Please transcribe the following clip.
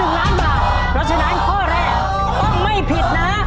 ถูกถูกถูกถูกถูกถูกถูกถูกถูกถูกถูกถูกถูก